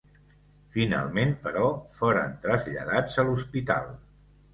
Finalment però foren traslladats a l'hospital.